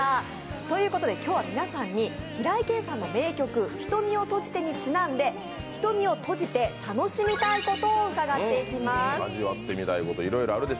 ということで今日は皆さんに平井堅さんの名曲「瞳をとじて」にちなんで瞳を閉じて楽しみたいことを伺っていきます。